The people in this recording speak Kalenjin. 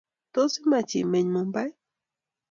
Tos imach imeny Mumbai?